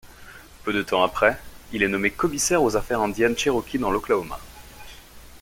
Peu de temps après, il est nommé commissaire aux affaires indiennes cherokees dans l'Oklahoma.